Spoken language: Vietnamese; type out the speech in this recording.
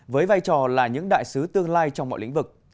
với vai trò là những đại sứ tương lai trong mọi lĩnh vực